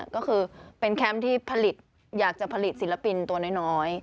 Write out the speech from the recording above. ก็คือเป็นแคมป์ที่ผลิตอยากจะผลิตศิลปินตัวน้อย